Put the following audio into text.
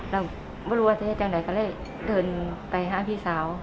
เราไม่รู้ว่าเทศจากไหนก็เลยเดินไปหาพี่สาว